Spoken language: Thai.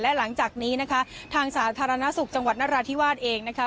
และหลังจากนี้นะคะทางสาธารณสุขจังหวัดนราธิวาสเองนะคะ